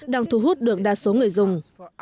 đang thu hút được đa số người dùng